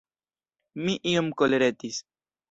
Mi iom koleretis!